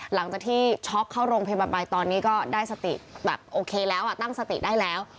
หลังจากที่ช็อกเข้าโรงพยาบาลไปตอนนี้ก็ได้สติแบบโอเคแล้วตั้งสติได้แล้ว